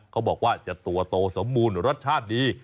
เขาบอกว่าจะตัวโตสมบูรณ์รสชาติดี